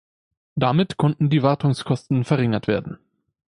Damit konnten die Wartungskosten verringert werden.